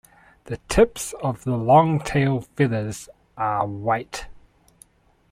The tips of the long tail feathers are white.